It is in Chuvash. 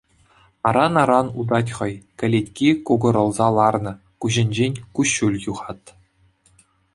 Аран-аран утать хӑй, кӗлетки кукӑрӑлса ларнӑ, куҫӗнчен куҫҫуль юхат.